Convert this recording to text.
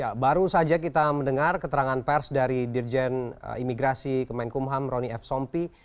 ya baru saja kita mendengar keterangan pers dari dirjen imigrasi kemenkumham rony f sompi